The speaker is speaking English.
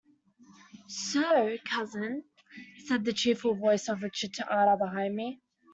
"So, cousin," said the cheerful voice of Richard to Ada behind me.